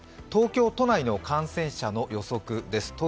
東京都内の感染者の予測です。